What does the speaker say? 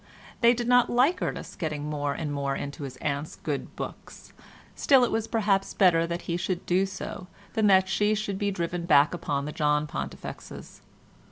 They did not like Ernest's getting more and more into his aunt's good books, still it was perhaps better that he should do so than that she should be driven back upon the John Pontifexes.